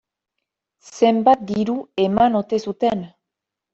Zenbat diru eman ote zuten?